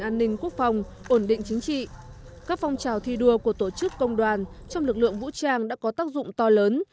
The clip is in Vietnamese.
an ninh quốc phòng ổn định chính trị các phong trào thi đua của tổ chức công đoàn trong lực lượng vũ trang đã có tác dụng to lớn